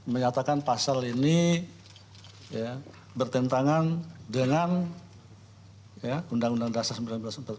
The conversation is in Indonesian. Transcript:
menyatakan pasal ini bertentangan dengan undang undang dasar seribu sembilan ratus empat puluh lima